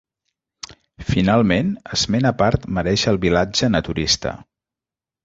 Finalment, esment a part mereix el Vilatge Naturista.